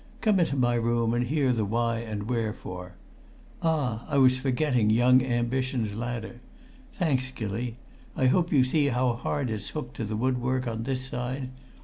Come into my room and hear the why and wherefore. Ah! I was forgetting young ambition's ladder; thanks, Gilly. I hope you see how hard it's hooked to the woodwork on this side?